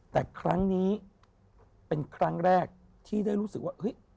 แต่ครั้งนี้เป็นครั้งแรกที่ได้รู้สึกว่าเฮ้ย